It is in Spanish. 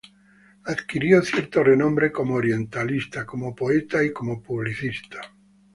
Adquirió cierto renombre como orientalista, como poeta y como publicista.